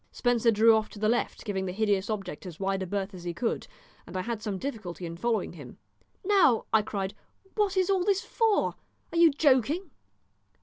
Spencer drew off to the left, giving the hideous object as wide a berth as he could, and I had some difficulty in following him. "Now," I cried, "what is all this for? Are you joking?"